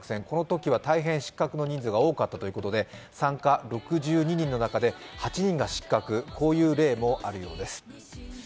このときは大変失格の人数が多かったということで参加６２人の中で８人が失格こういう例もあるようです。